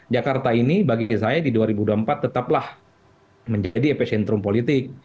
jakarta ini bagi saya di dua ribu dua puluh empat tetaplah menjadi epicentrum politik